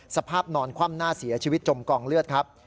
สภาพนอนคว่ำหน้าเสียชีวิตจมกองเลือดครับ